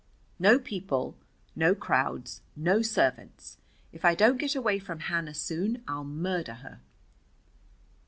No people. No crowds. No servants. If I don't get away from Hannah soon I'll murder her."